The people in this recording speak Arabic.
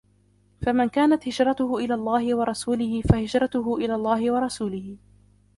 فَمَنْ كَانَتْ هِجْرَتُهُ إِلَى اللهِ وَرَسُولِهِ فَهِجْرَتُهُ إِلى اللهِ وَرَسُولِهِ